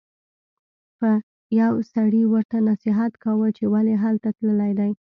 یو سړي ورته نصیحت کاوه چې ولې هلته تللی دی.